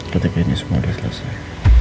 ketika ini semua udah selesai